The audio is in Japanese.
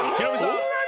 そんなに？